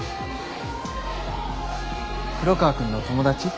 黒川くんの友達？